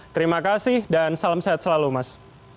terima kasih dan salam sehat selalu mas